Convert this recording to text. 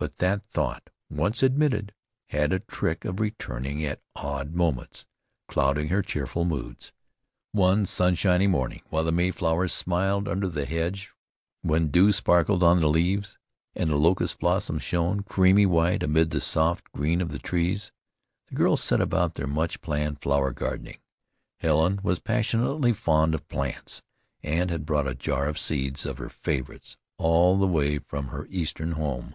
But that thought once admitted, had a trick of returning at odd moments, clouding her cheerful moods. One sunshiny morning while the May flowers smiled under the hedge, when dew sparkled on the leaves, and the locust blossoms shone creamy white amid the soft green of the trees, the girls set about their much planned flower gardening. Helen was passionately fond of plants, and had brought a jar of seeds of her favorites all the way from her eastern home.